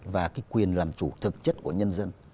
và cái quyền làm chủ thực chất của nhân dân